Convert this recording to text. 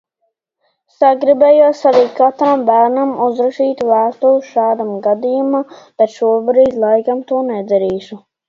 Sagribējās arī katram bērnam uzrakstīt vēstuli šādam gadījumam, bet šobrīd laikam to nedarīšu.